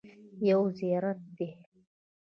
یو زیارت دی.